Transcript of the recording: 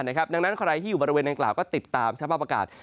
ดังนั้นคนไหนที่อยู่บริเวณอันกราบก็ติดตามเส้นภาพประกาศ